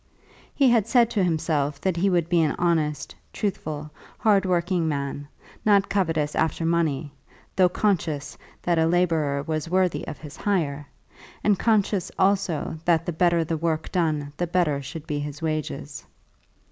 He had said to himself that he would be an honest, truthful, hard working man, not covetous after money, though conscious that a labourer was worthy of his hire, and conscious also that the better the work done the better should be his wages.